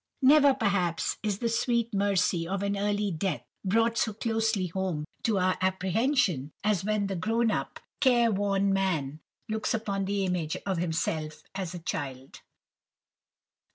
Never, perhaps, is the sweet mercy of an early death brought so closely home to our apprehension, as when the grown up, care worn man looks upon the image of himself as a child.